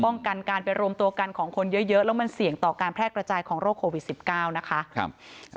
ป้องกันการไปรวมตัวกันของคนเยอะแล้วมันเสี่ยงต่อการแพร่กระจายของโรคโควิด๑๙นะคะ